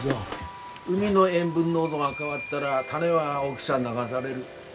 海の塩分濃度が変わったらタネは沖さ流される。